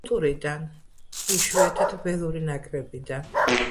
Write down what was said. კულტურიდან, იშვიათად ველური ნაკრებიდან.